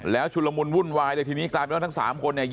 แล้วชุลมุนวุ่นวายเลยทีนี้กลายเป็นว่าทั้ง๓คนเนี่ย